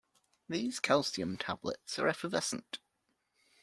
These calcium tablets are effervescent.